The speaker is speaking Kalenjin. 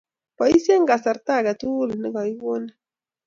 Boise kasartangu aketukul ne kakikoning